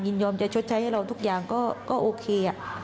ยอมจะชดใช้ให้เราทุกอย่างก็โอเค